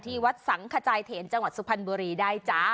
ที่วัดสังขจายเถนจังหวัดสุพรรณบุรีได้จ้า